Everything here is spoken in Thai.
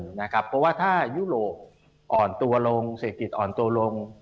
เพราะว่าถ้ายุโรปอ่อนตัวลงเศรษฐกิจอ่อนตัวลง